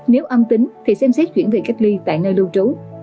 nếu âm tính thì xem xét chuyển về cách ly tại nơi lưu trú